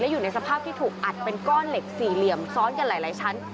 อยู่ในสภาพที่ถูกอัดเป็นก้อนเหล็กสี่เหลี่ยมซ้อนกันหลายชั้น